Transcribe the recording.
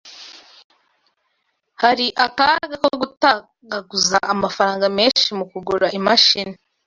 Hari akaga ko gutagaguza amafaranga menshi mu kugura imashini